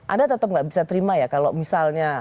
anda tetap nggak bisa terima ya kalau misalnya